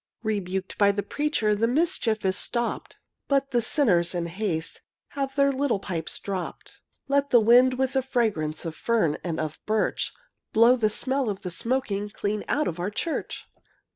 Rebuked by the preacher The mischief is stopped, But the sinners, in haste, Have their little pipes dropped. Let the wind, with the fragrance Of fern and black birch, Blow the smell of the smoking Clean out of the church!